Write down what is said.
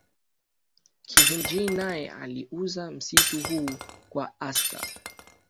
Khimji nae aliuza msitu huu kwa Asar